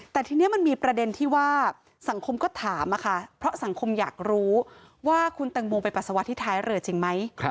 แต่ทีนี้มันมีประเด็นที่ว่าสังคมก็ถามค่ะเพราะสังคมอยากรู้ว่าคุณแตงโมไปปัสสาวะที่ท้ายเรือจริงไหม